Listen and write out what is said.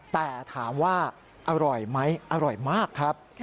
แต่ถามว่าอร่อยไหมอร่อยมากครับ